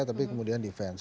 tapi kemudian defense